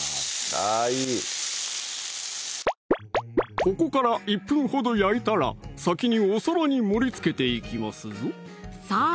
あぁいいここから１分ほど焼いたら先にお皿に盛りつけていきますぞさぁ